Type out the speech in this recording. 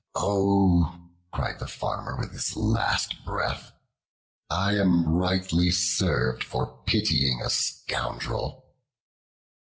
"Oh," cried the Farmer with his last breath, "I am rightly served for pitying a scoundrel."